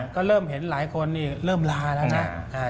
ก็เห็นกันว่าหลายคนนี่เริ่มลาด้วยนะ